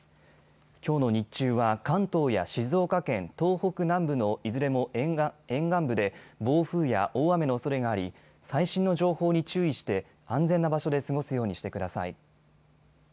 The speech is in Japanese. きょうの日中は、関東や静岡県、東北南部のいずれも沿岸部で、暴風や大雨のおそれがあり、最新の情報に注意して安全な場所で過ごすようにしてください。